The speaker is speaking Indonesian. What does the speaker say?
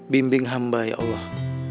bimbing hamba ya allah